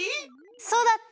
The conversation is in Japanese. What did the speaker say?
そうだった！